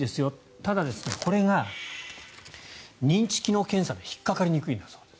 ただ、これが認知機能検査では引っかかりにくいんだそうです。